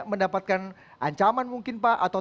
mendapatkan ancaman mungkin pak atau